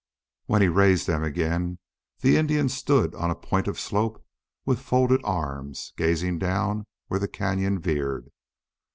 When he raised them again the Indian stood on a point of slope with folded arms, gazing down where the cañon veered.